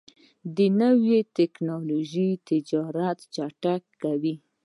نوې ټکنالوژي تجارت چټکوي.